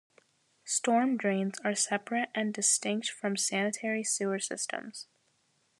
Storm drains are separate and distinct from sanitary sewer systems.